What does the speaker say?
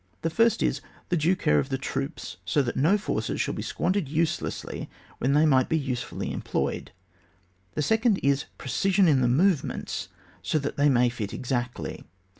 The first is, the due care of the troops, so that no forces shall be squandered uselessly when they might be usefully employed; the second, is precision in the movements, so that they may fit exactly.